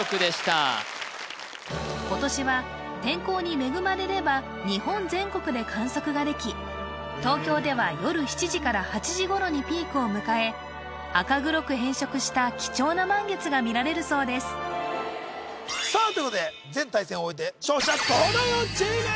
今年は天候に恵まれれば日本全国で観測ができ東京では夜７時から８時頃にピークを迎え赤黒く変色した貴重な満月が見られるそうですさあということで全対戦を終えて勝者東大王チーム！